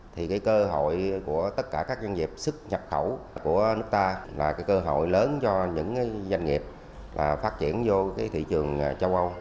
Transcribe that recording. thì cái cơ hội của tất cả các doanh nghiệp xuất nhập khẩu của nước ta là cái cơ hội lớn cho những doanh nghiệp phát triển vô thị trường châu âu